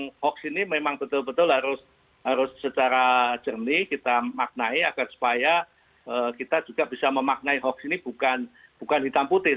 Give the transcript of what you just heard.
nah hoax ini memang betul betul harus secara jernih kita maknai agar supaya kita juga bisa memaknai hoax ini bukan hitam putih